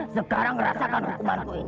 sekarang rasakan hukumanku ini